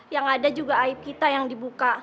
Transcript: yang ada juga aib kita yang dibuka